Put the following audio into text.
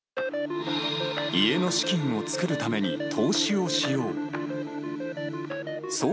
家の資金を作るために、投資をしよう。